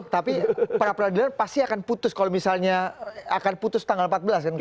tapi pra peradilan pasti akan putus kalau misalnya akan putus tanggal empat belas kan